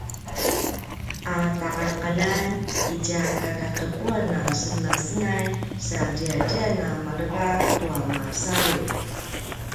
a taqaljaqaljan itja kakaqepuan a semenasenay sa ziyaziyan a maleva tua masalut